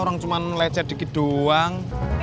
orang cuman lecet dikit doang